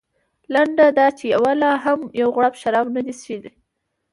لنډه دا چې یوه لا هم یو غړپ شراب نه دي څښلي.